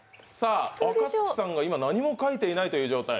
若槻さんが何も書いていないという状態。